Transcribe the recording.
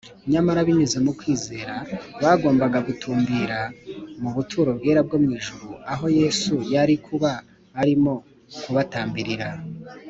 nyamara binyuze mu kwizera, bagombaga gutumbira mu buturo bwera bwo mu ijuru aho yesu yari kuba arimo kubatambirira;